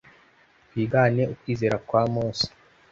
Twigane ukwizera kwa Mose